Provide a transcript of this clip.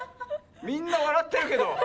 みんなわらってるけど。